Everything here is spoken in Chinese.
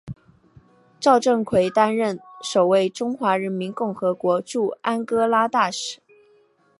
赵振魁担任首位中华人民共和国驻安哥拉大使。